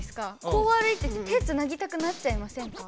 こう歩いてて手つなぎたくなっちゃいませんか。